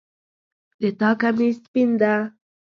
د تا کمیس سپین ده